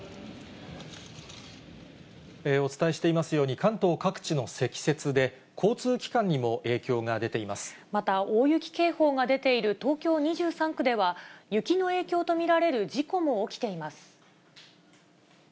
お伝えしていますように、関東各地の積雪で、また大雪警報が出ている東京２３区では、雪の影響と見られる事故も起きています。